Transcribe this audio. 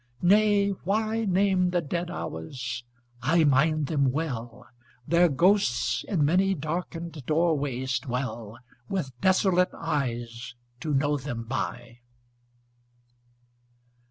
Nay, why Name the dead hours? I mind them well: Their ghosts in many darkened doorways dwell With desolate eyes to know them by.